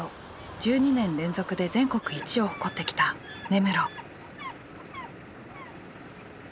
１２年連続で全国一を誇ってきた根室。